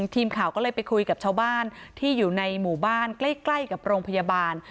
ทีมข่าวก็เลยไปคุยกับชาวบ้านที่อยู่ในหมู่บ้านใกล้กับโรงพยาบาล